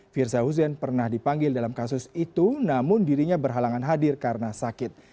firza hussein pernah dipanggil dalam kasus itu namun dirinya berhalangan hadir karena sakit